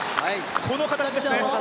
この形ですね。